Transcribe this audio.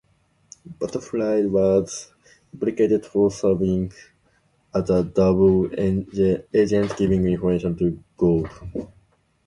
Butterfield was implicated for serving as a double agent giving information to Gould.